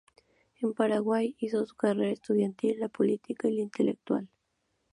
En Paraguay hizo su carrera estudiantil, la política y la intelectual.